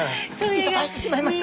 頂いてしまいました！